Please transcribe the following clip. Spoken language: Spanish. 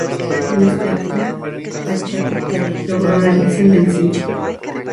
Con este acto Pachacútec logró la adhesión del sinchi.